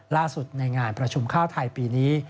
ล่าสุดในงานประชุมข้าวไทยปีนี้